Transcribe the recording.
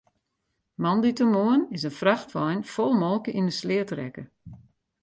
Moandeitemoarn is in frachtwein fol molke yn 'e sleat rekke.